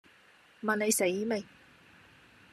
問你死未